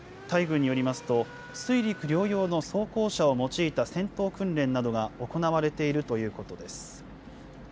タイ軍によりますと、水陸両用の装甲車を用いた戦闘訓練などが行われているということです。